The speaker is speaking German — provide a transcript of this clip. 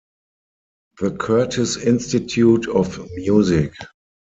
The Curtis Institute of Music.